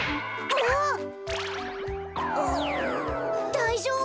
だいじょうぶ？